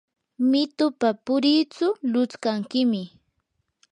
mitupa puritsu lutskankiymi.